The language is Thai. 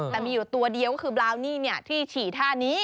แต่มีอยู่ตัวเดียวก็คือบราวนี่ที่ฉี่ท่านี้